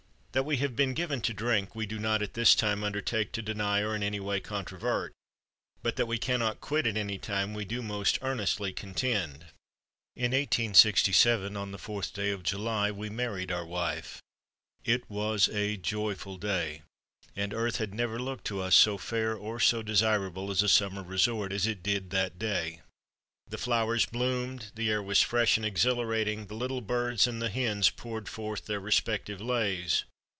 "That we have been given to drink, we do not, at this time, undertake to deny or in any way controvert, but that we cannot quit at any time, we do most earnestly contend. "In 1867, on the 4th day of July, we married our wife. It was a joyful day, and earth had never looked to us so fair or so desirable as a summer resort as it did that day. The flowers bloomed, the air was fresh and exhilarating, the little birds and the hens poured forth their respective lays.